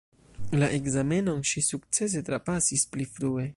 La ekzamenon ŝi sukcese trapasis pli frue.